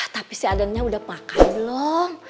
tapi si adanya udah makan belum